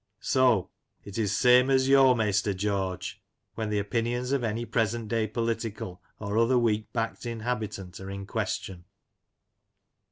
So it is *' same as yo', maister George," when the opinions of any present day political or other weak backed inhabitant are in question.